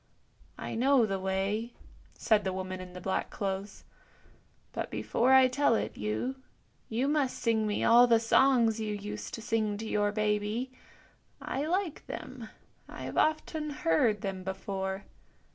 " I know the way," said the woman in the black clothes; " but before I tell it you, you must sing me all the songs you used to sing to your baby; I like them; I have often heard them before.